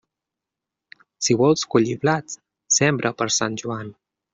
Si vols collir blat, sembra per Sant Joan.